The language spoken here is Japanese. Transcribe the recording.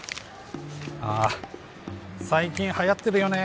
ああ最近はやってるよね